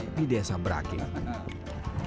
tapi desa berakit